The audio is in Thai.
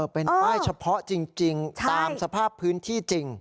เป็นป้ายเฉพาะจริงตามสภาพพื้นที่จริง